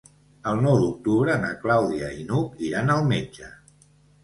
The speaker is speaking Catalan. El nou d'octubre na Clàudia i n'Hug iran al metge.